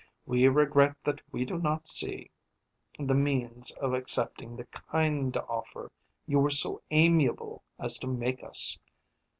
We regret that we do not see the means of accepting the kind offer you were so amiable as to make us.